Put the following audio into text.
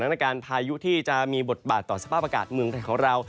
สถานการณ์พายุที่จะมีบทบาทต่อสภาพอากาศเมืองไทยของเรา